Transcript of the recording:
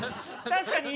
◆確かに。